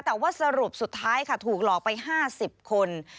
แต่ว่าสรุปสุดท้ายค่ะถูกหลอกไป๕๐คน